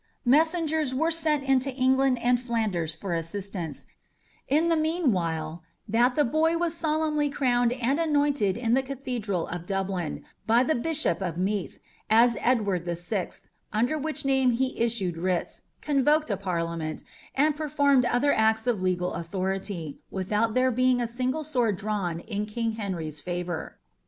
Messengers were sent into England and Flanders for assistance, in the meanwhile that the boy was solemnly crowned and anointed in the cathedral of Dublin, by the Bishop of Meath, as Edward the Sixth, under which name he issued writs, convoked a parliament, and performed other acts of legal authority, without there being a single sword drawn in King Henry's favour.